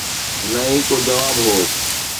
نه ئي ڪو جواب هو.